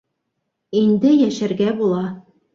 Инде йәшәргә була.